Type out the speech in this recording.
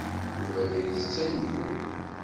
Yuba la ittett angul.